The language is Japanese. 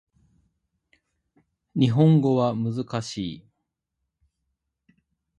日本語は難しい